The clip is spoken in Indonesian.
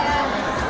yang berapa sih